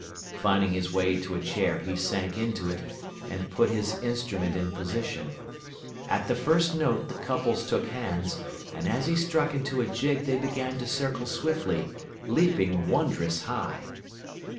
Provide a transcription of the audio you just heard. Finding his way to a chair he sank into it and put his instrument in position. At the first note the couples took hands, and as he struck into a jig they began to circle swiftly, leaping wondrous high.